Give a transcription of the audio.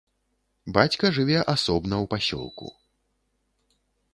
Бацька жыве асобна ў пасёлку.